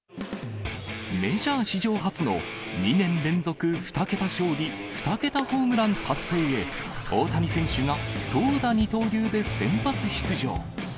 メジャー史上初の２年連続２桁勝利２桁ホームラン達成へ、大谷選手が投打二刀流で先発出場。